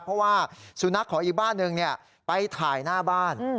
เพราะว่าสุนัขของอีกบ้านหนึ่งไปถ่ายหน้าบ้าน